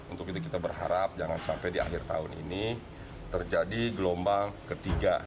untuk itu kita berharap jangan sampai di akhir tahun ini terjadi gelombang ketiga